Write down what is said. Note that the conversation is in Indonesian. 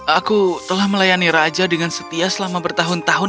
aku telah melayani raja dengan setia selama bertahun tahun